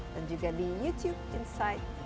dan juga di youtube insight